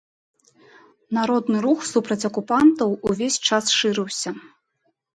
Народны рух супраць акупантаў увесь час шырыўся.